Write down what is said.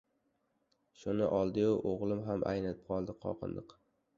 Shuni oldi-yu o‘g‘lim ham aynidi- qoldi, qoqindiq.